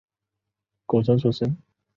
贡生出身。